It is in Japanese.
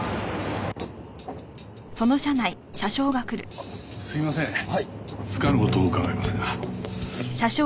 あっすいませんつかぬ事を伺いますが。